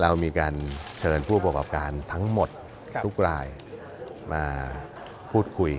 เรามีการเชิญผู้ประกอบการทั้งหมดทุกรายมาพูดคุย